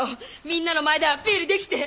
みんなの前でアピールできて！